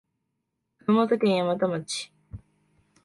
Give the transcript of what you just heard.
熊本県山都町